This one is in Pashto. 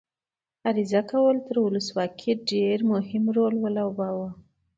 عریضه کول تر ولسواکۍ ډېر مهم رول ولوباوه.